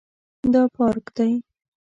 دا پارک دی